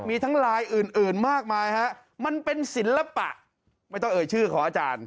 มีทั้งลายอื่นอื่นมากมายฮะมันเป็นศิลปะไม่ต้องเอ่ยชื่อของอาจารย์